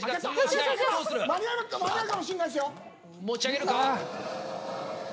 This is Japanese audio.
持ち上げるか。